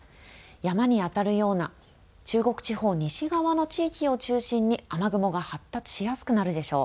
山にあたるような中国地方西側の地域を中心に雨雲が発達しやすくなるでしょう。